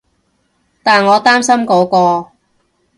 但我擔心嗰個